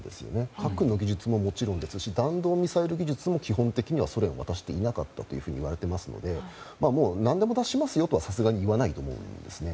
核の技術ももちろん弾道ミサイル技術も基本的にはソ連は出していなかったといわれていますのでもう何でも出しますよとはいわないと思います。